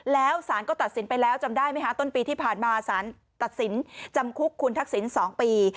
แล้วสารก็ตัดสินไปแล้วจำได้ไหมคะต้นปีที่ผ่านมาสารตัดสินจำคุกคุณทักษิณ๒ปี